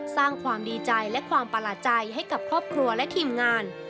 สร้างความดีใจและความประหลาดใจให้กับครอบครัวและทีมงาน